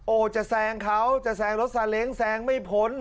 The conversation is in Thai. โอ้โหจะแซงเขาจะแซงรถซาเล้งแซงไม่พ้น